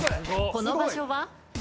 この場所は？